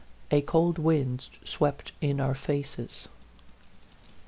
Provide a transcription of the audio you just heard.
A cold wind swept in our faces.